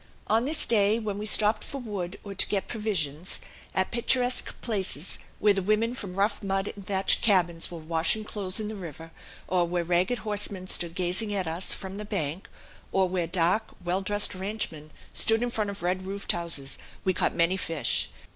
On this day, when we stopped for wood or to get provisions at picturesque places, where the women from rough mud and thatched cabins were washing clothes in the river, or where ragged horsemen stood gazing at us from the bank, or where dark, well dressed ranchmen stood in front of red roofed houses we caught many fish.